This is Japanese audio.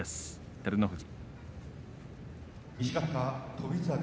照ノ富士。